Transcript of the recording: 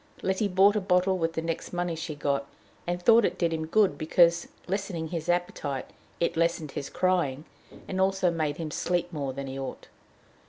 Letty bought a bottle with the next money she got, and thought it did him good because, lessening his appetite, it lessened his crying, and also made him sleep more than he ought.